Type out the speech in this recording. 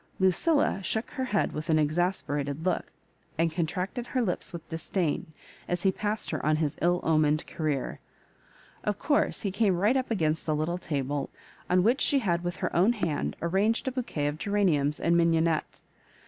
LuciUa shook her head with an exasperated look, and contracted her lips with disdain, as he passed her on his ill omened career. Of course he came right up against the little table on which she had with her own hand arranged a bouquet of geraniums and mignonette.